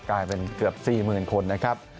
กลายเป็นเกือบ๔๐๐๐คนนะครับ